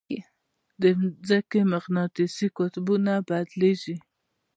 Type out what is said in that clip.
د ځمکې مقناطیسي قطبونه بدلېږي.